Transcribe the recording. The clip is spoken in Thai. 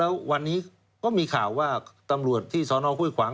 แล้ววันนี้ก็มีข่าวว่าตำรวจที่ซ้อน้องฮุ้ยขวัง